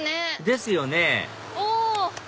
ですよねお！